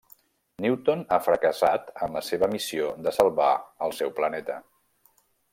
Newton ha fracassat en la seva missió de salvar al seu planeta.